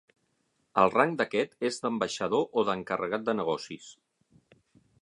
El rang d'aquest és d'ambaixador o d'encarregat de negocis.